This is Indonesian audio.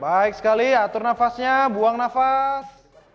baik sekali atur nafasnya buang nafas